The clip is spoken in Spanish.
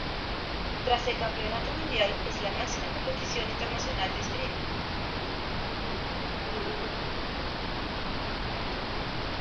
Tras el Campeonato Mundial, es la máxima competición internacional de esgrima.